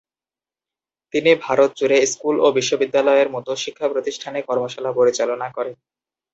তিনি ভারত জুড়ে স্কুল ও বিশ্ববিদ্যালয়ের মতো শিক্ষাপ্রতিষ্ঠানে কর্মশালা পরিচালনা করেন।